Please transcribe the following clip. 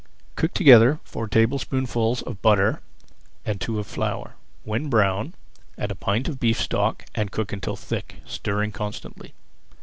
Cook together four tablespoonfuls of butter and two of flour. When brown, add a pint of beef stock and cook until thick, stirring constantly.